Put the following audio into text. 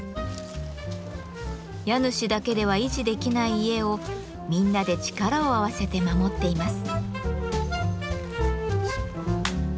家主だけでは維持できない家をみんなで力を合わせて守っています。